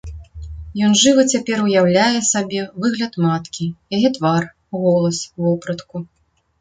Ён жыва цяпер уяўляе сабе выгляд маткі, яе твар, голас, вопратку.